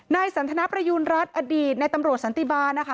นายสันทนประยูณรัฐอดีตในตำรวจสันติบาลนะคะ